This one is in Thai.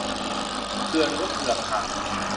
เผื่อเหลือเผื่อขาด